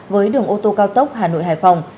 với đường ô tô cao tốc hà nội hải phòng